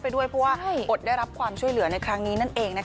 ด้วยเพราะว่าอดได้รับความช่วยเหลือในครั้งนี้นั่นเอง